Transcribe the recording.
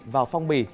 vào phong bì